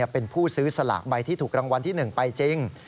เป็นผู้ซื้อสลากใบที่ถูกรางวัลที่๑ไปจริง